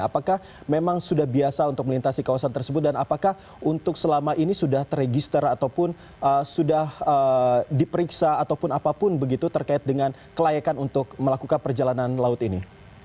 apakah memang sudah biasa untuk melintasi kawasan tersebut dan apakah untuk selama ini sudah teregister ataupun sudah diperiksa ataupun apapun begitu terkait dengan kelayakan untuk melakukan perjalanan laut ini